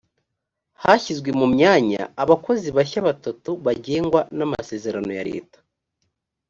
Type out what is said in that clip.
hashyizwe mu myanya abakozi bashya batatu bagengwa n amasezerano ya leta